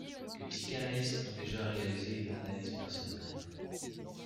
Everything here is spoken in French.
Les psychanalystes ont déjà réalisé une analyse personnelle.